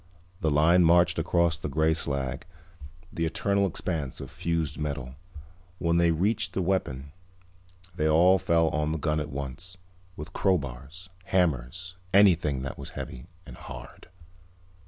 The line marched across the gray slag, the eternal expanse of fused metal. When they reached the weapon they all fell on the gun at once, with crowbars, hammers, anything that was heavy and hard.